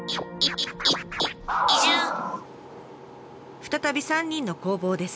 再び３人の工房です。